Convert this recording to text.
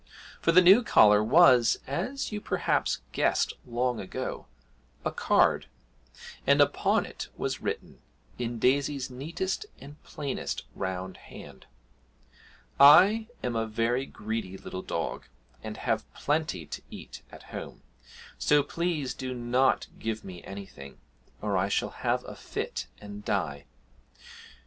For the new collar was, as you perhaps guessed long ago, a card, and upon it was written, in Daisy's neatest and plainest round hand: I am a very Greedy little Dog, and have Plenty to eat at Home, So please do not give me anything, or I shall have a Fit and die!